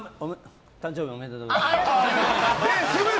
誕生日おめでとうございます。